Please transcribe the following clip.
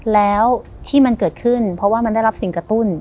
แล้วที่มันเกิดขึ้นเพราะว่ามันได้รับสิ่งกระตุ้น